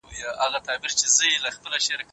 پروردګار د علم لاره ډېره اسانه کړې ده.